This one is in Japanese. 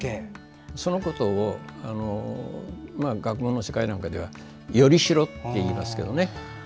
そのことを学問の世界なんかでは依代って言いますけどね。